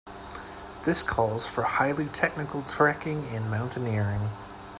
This calls for highly technical trekking and mountaineering.